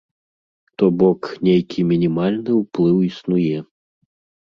То бок, нейкі мінімальны ўплыў існуе.